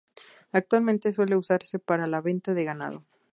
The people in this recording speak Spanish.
Actualmente suele usarse para la venta de ganado.